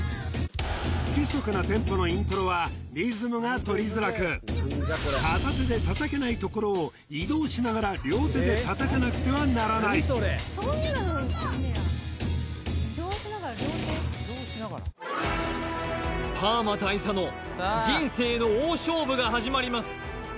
不規則なテンポのイントロはリズムが取りづらく片手で叩けないところを移動しながら両手で叩かなくてはならないパーマ大佐の人生の大勝負が始まります